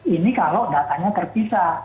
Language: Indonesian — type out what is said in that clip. ini kalau datanya terpisah